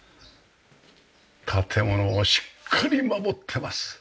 建物をしっかり守ってます。